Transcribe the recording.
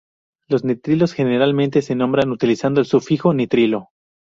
Los nitrilos, generalmente, se nombran utilizando el sufijo "-nitrilo".